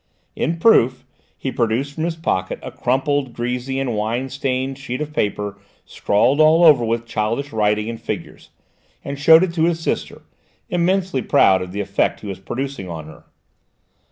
In proof, he produced from his pocket a crumpled, greasy and wine stained sheet of paper scrawled all over with childish writing and figures, and showed it to his sister, immensely proud of the effect he was producing on her.